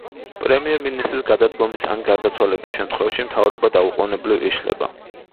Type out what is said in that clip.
პრემიერ-მინისტრის გადადგომის ან გარდაცვალების შემთხვევაში, მთავრობა დაუყონებლივ იშლება.